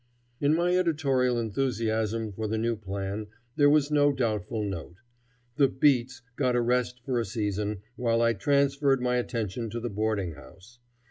In my editorial enthusiasm for the new plan there was no doubtful note. The "beats" got a rest for a season while I transferred my attention to the boarding house.